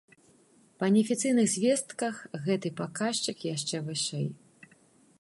Па неафіцыйных звестках, гэты паказчык яшчэ вышэй.